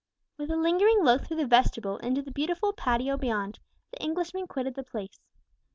With a lingering look through the vestibule into the beautiful patio beyond, the Englishman quitted the place.